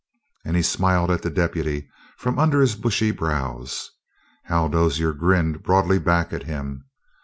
And he smiled at the deputy from under his bushy brows. Hal Dozier grinned broadly back at him.